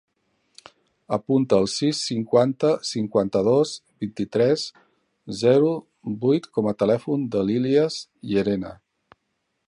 Apunta el sis, cinquanta, cinquanta-dos, vint-i-tres, zero, vuit com a telèfon de l'Ilyas Llerena.